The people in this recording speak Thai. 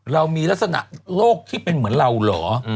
เรามีลักษณะโลกที่เป็นเหมือนเราเหรอ